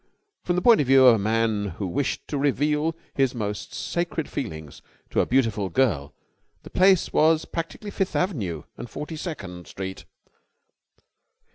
From the point of view of a man who wished to reveal his most sacred feelings to a beautiful girl, the place was practically Fifth Avenue and Forty second Street.